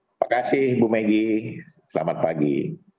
terima kasih bu megi selamat pagi